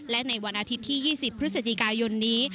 และในวันอาทิตย์ที่๒๐พฤศจิกายนนี้